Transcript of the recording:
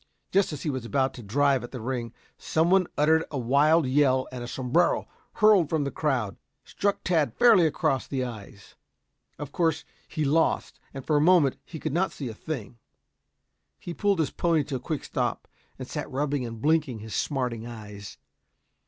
Just as he was about to drive at the ring, some one uttered a wild yell and a sombrero hurled from the crowd, struck Tad fairly across the eyes. Of course he lost, and, for a moment, he could not see a thing. He pulled his pony to a quick stop and sat rubbing and blinking his smarting eyes.